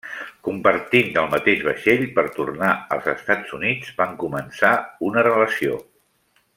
Compartint el mateix vaixell per tornar als Estats Units, van començar una relació.